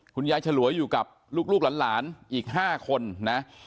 ฉลวยอยู่กับลูกหลานอีก๕คนนะ